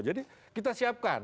jadi kita siapkan